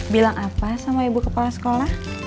bilang apa sama ibu kepala sekolah